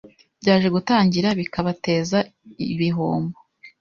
byaje gutangira bikabateza ibihombo.